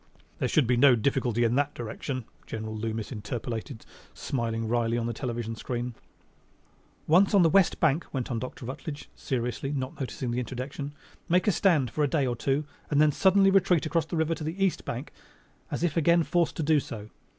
"There should be no difficulty in that direction," General Loomis interpolated, smiling wryly on the television screen. "Once on the west bank," went on Dr. Rutledge seriously, not noticing the interjection, "make a stand for a day or two and then suddenly retreat across the river to the east bank as if again forced to do so.